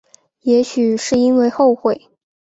也许是因为后悔